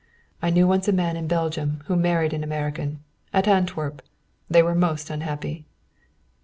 "I knew once a man in Belgium who married an American. At Antwerp. They were most unhappy."